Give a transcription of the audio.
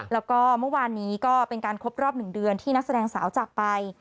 แล้วก็เมื่อวานนี้ก็เป็นการครบรอบ๑เดือนที่นักแสดงสาวจากไป